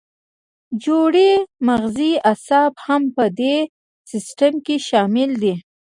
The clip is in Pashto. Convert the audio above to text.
جوړې مغزي اعصاب هم په دې سیستم کې شامل دي.